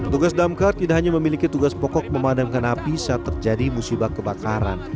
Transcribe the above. tugas damkar tidak hanya memiliki tugas pokok memadamkan api saat terjadi musibah kebakaran